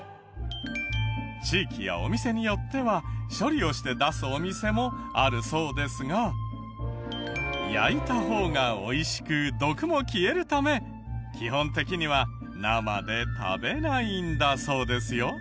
地域やお店によっては処理をして出すお店もあるそうですが焼いた方が美味しく毒も消えるため基本的には生で食べないんだそうですよ。